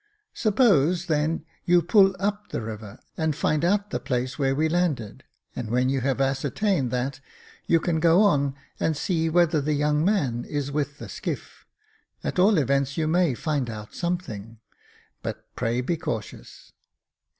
" Suppose, then, you pull up the river, and find out the place where we landed, and when you have ascertained that, you can go on and see whether the young man is with the skiff J at all events, you may find out something — but pray be cautious."